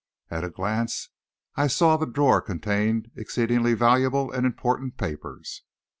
At a glance, I saw the drawer contained exceedingly valuable and important papers.